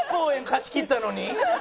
貸し切ったのに？